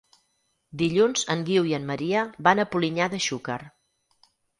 Dilluns en Guiu i en Maria van a Polinyà de Xúquer.